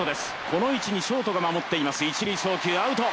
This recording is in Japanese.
この位置にショートが守っています、一塁、送球アウト。